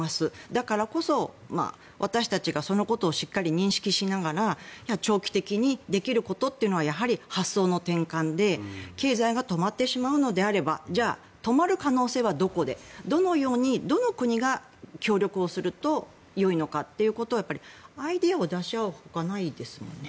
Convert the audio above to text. だからこそ、私たちがそのことをしっかり認識しながら長期的にできることというのはやはり発想の転換で経済が止まってしまうのであればじゃあ、止まる可能性はどこでどのように、どの国が協力をするとよいのかということをアイデアを出し合うほかないですもんね。